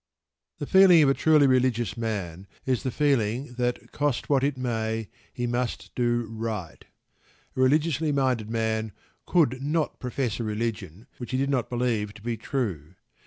The feeling of a truly religious man is the feeling that, cost what it may, he must do right. A religiously minded man could not profess a religion which he did not believe to be true.